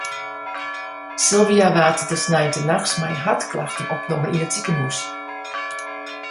Sylvia waard de sneintenachts mei hartklachten opnommen yn it sikehûs.